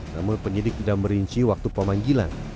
namun penyidik tidak merinci waktu pemanggilan